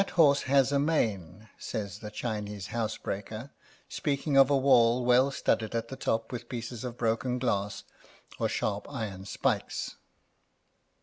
That horse has a mane, says the Chinese housebreaker, speaking of a wall well studded at the top with pieces of broken glass or sharp iron spikes.